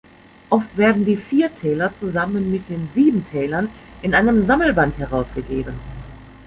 Oft werden die Vier Täler zusammen mit den Sieben Tälern in einem Sammelband herausgegeben.